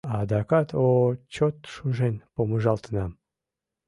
Адакат о чот шужен помыжалтынам...